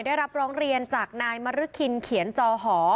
ได้รับร้องเรียนจากนายมรึคินเขียนจอหอ